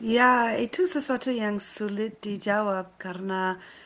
ya itu sesuatu yang sulit dijawab karena